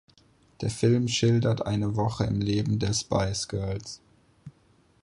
Der Film schildert eine Woche im Leben der Spice Girls.